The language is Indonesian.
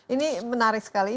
ini menarik sekali